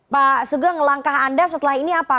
pak sugeng langkah anda setelah ini apa